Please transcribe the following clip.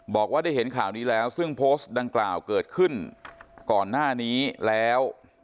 บอกว่าได้เห็นข่าวนี้แล้วซึ่งโพสต์ดังกล่าวเกิดขึ้นก่อนหน้านี้แล้ว